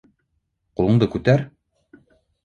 Ҡулыңды күтәр?